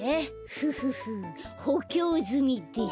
フフフほきょうずみです。